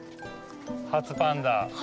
初パンダ。